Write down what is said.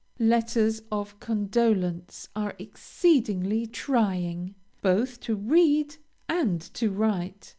LETTERS OF CONDOLENCE are exceedingly trying, both to read and to write.